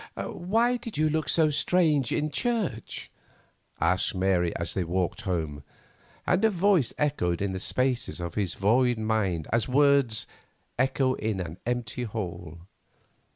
"Why did you look so strange in church?" asked Mary as they walked home, and her voice echoed in the spaces of his void mind as words echo in an empty hall.